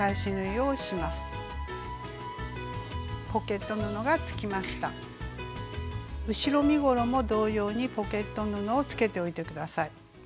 後ろ身ごろも同様にポケット布をつけておいて下さい。